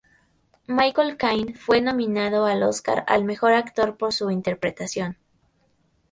Michael Caine fue nominado al Oscar al mejor actor por su interpretación.